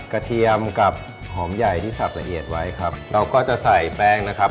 เทียมกับหอมใหญ่ที่สับละเอียดไว้ครับเราก็จะใส่แป้งนะครับ